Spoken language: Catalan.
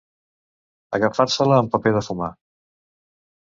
Agafar-se-la amb paper de fumar.